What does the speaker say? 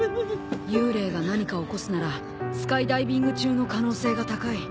幽霊が何か起こすならスカイダイビング中の可能性が高い。